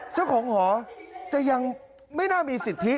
เจ้าของหอจะยังไม่น่ามีสิทธิ